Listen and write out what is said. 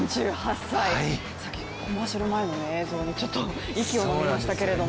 さっきコマーシャル前の映像でちょっと息をのみましたけれども。